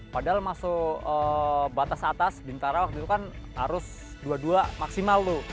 padahal masuk batas atas bintara waktu itu kan arus dua dua maksimal tuh